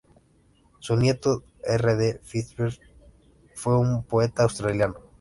Su nieto R. D. Fitzgerald fue un poeta australiano.